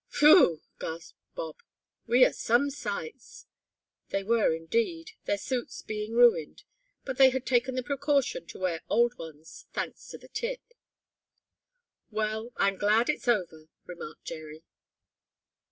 "Whew!" gasped Bob, "we are some sights." They were indeed, their suits being ruined. But they had taken the precaution to wear old ones, thanks to the tip. "Well, I'm glad it's over," remarked Jerry.